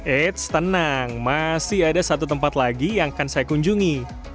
eits tenang masih ada satu tempat lagi yang akan saya kunjungi